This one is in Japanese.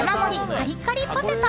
カリカリポテト。